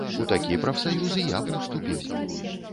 У такі прафсаюз і я б уступіў.